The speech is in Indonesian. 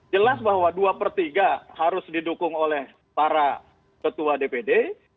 jelas bahwa dua per tiga harus didukung oleh para ketua dpd